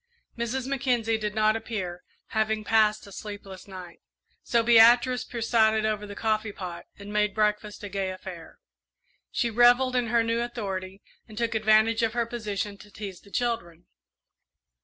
Mrs. Mackenzie did not appear, having passed a sleepless night; so Beatrice presided over the coffee pot and made breakfast a gay affair. She revelled in her new authority, and took advantage of her position to tease the children.